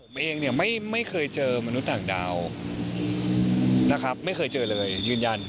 ผมเองเนี่ยไม่เคยเจอมนุษย์ต่างดาวนะครับไม่เคยเจอเลยยืนยัน